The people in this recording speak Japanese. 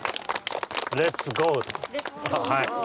はい。